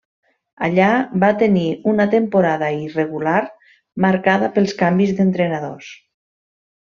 Allà va tenir una temporada irregular, marcada pels canvis d'entrenadors.